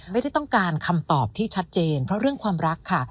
ไม่ได้ต้องการคำตอบที่ชัดเจนเพราะเรื่องความรักค่ะ